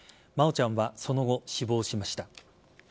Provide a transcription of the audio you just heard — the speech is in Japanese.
真愛ちゃんはその後死亡しました。